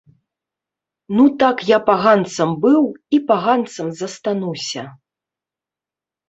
Ну так я паганцам быў і паганцам застануся!